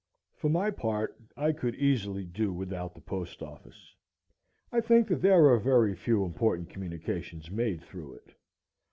For my part, I could easily do without the post office. I think that there are very few important communications made through it.